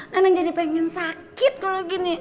neneng jadi pengen sakit kalo gini